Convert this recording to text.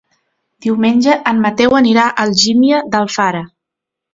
Diumenge en Mateu anirà a Algímia d'Alfara.